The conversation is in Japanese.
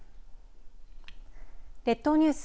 列島ニュース